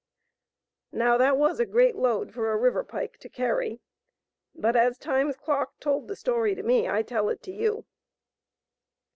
(Now that was a great load for a river pike to carry; but as Time's Clock told the story to me I tell it to you.)